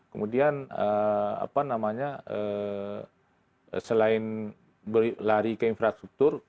kemudian selain berlari ke infrastruktur